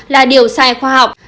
là điều sai khoa học